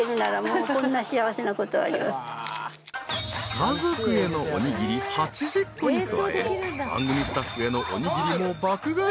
［家族へのおにぎり８０個に加え番組スタッフへのおにぎりも爆買い］